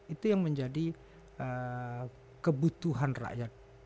itu yang menjadi kebutuhan rakyat